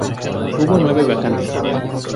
Hubo nueve vacantes.